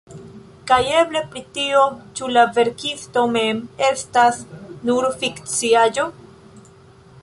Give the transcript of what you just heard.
Kaj eble pri tio, ĉu la verkisto mem estas nur fikciaĵo?